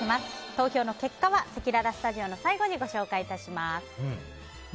投票結果はせきららスタジオの最後にお伝えします。